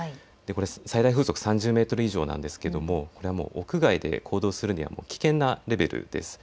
最大風速３０メートル以上なんですが屋外で行動するには危険なレベルです。